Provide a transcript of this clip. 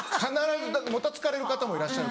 もたつかれる方もいらっしゃる。